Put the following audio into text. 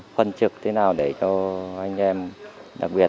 phân trực thế nào để cho anh em đặc biệt